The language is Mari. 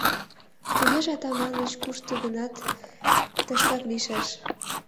Тугеже Атаманыч кушто гынат тыштак лийшаш.